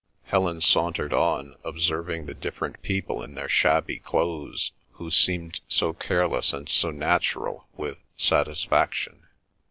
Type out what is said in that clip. Helen sauntered on, observing the different people in their shabby clothes, who seemed so careless and so natural, with satisfaction.